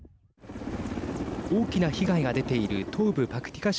大きな被害が出ている東部パクティカ